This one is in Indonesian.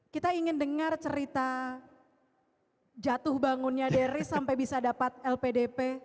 kita ingin dengar cerita jatuh bangunnya deris sampai bisa dapat lpdp